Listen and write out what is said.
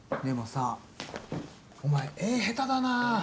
でもさお前絵下手だな。